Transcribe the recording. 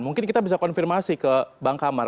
mungkin kita bisa konfirmasi ke bang kamar